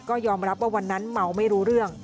ก็ยอมรับว่าวันนั้นเมาไม่รู้เรื่อง